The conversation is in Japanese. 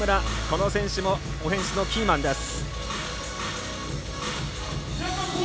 この選手もオフェンスのキーマンです。